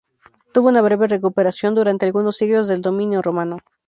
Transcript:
Tuvo una breve recuperación durante algunos siglos del dominio romano.